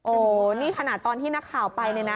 โอ้นี่ขณะที่ตอนน่าข่าวไป